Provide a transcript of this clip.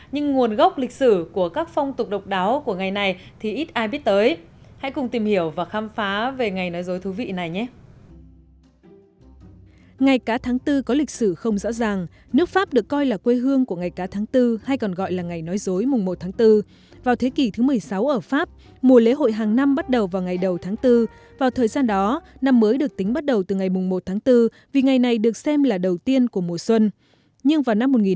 nhưng sẽ không như thực sự gián chiếc lau lnadie hay năm ngoái này dễ bị mất lòng hay là giận dỗi nhưng nguồn gốc lịch sử của các phong tục độc đáo của ngày này thì ít ai biết tới hãy cùng tìm hiểu và face về ngày nói dối thú vị nhé